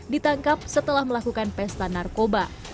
ditangkap setelah melakukan pesta narkoba